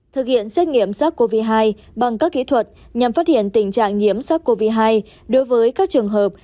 thực hiện xét nghiệm sát covid hai bằng các kỹ thuật nhằm phát hiện tình trạng nhiễm sát covid hai đối với các trường hợp